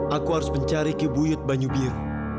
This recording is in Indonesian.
aku harus mencari kebuyut banyubir